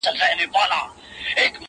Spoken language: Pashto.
زه خو دا يم ژوندی يم.